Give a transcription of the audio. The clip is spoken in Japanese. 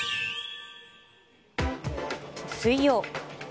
水曜。